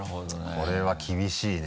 これは厳しいね